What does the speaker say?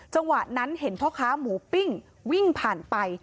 จังหวะนั้นเห็นพ่อค้าหมูปิ้งวิ่งผ่านไป